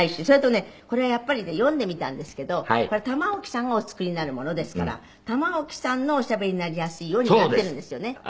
それとねこれはやっぱりね読んでみたんですけどこれは玉置さんがお作りになるものですから玉置さんのおしゃべりになりやすいようになってるんですよね。